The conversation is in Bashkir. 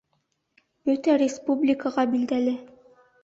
Бөтә республикаға билдәле.